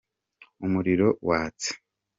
Umuriro watse.